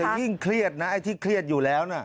ยิ่งเครียดนะไอ้ที่เครียดอยู่แล้วนะ